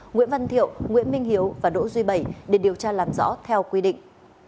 nguyễn văn thiệu nguyễn minh hiếu và đỗ duy bảy để điều tra làm rõ theo quy định